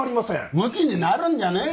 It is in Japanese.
むきになるんじゃねえよ！